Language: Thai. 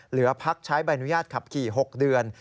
เหลือพักใช้ใบอนุญาตขับขี่๖เดือน